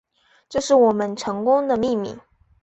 这是我们成功的秘密